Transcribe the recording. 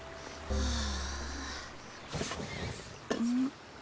はあ？